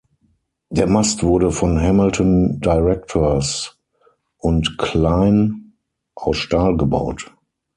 Der Mast wurde von Hamilton Directors und Kline aus Stahl gebaut.